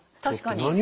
確かに。